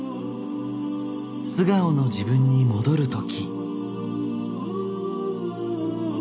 素顔の自分に戻る時。